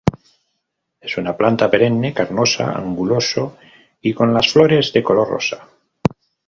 Es una planta perenne carnosa, anguloso y con las flores de color rosa.